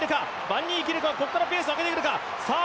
バン・ニーキルクはここからペースを上げていくか。